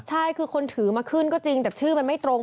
ใช่คือคนถือมาขึ้นก็จริงแต่ชื่อมันไม่ตรง